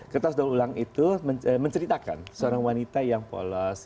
kertas daur ulang itu menceritakan seorang wanita yang polos